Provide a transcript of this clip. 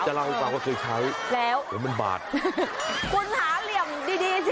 จะเล่าให้ฟังว่าเคยใช้เหมือนมันบาทแล้วคุณหาเหลี่ยมดีจริงใช่